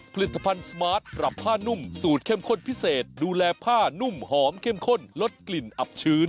ผลิตภัณฑ์สมาร์ทปรับผ้านุ่มสูตรเข้มข้นพิเศษดูแลผ้านุ่มหอมเข้มข้นลดกลิ่นอับชื้น